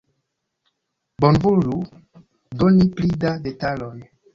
Bonvolu doni pli da detaloj